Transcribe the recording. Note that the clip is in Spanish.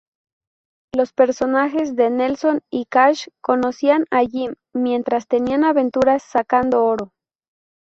Los personajes de Nelson y Cash conocían a Jim mientras tenían aventuras sacando oro.